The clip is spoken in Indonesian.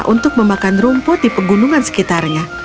untuk memakan rumput di pegunungan sekitarnya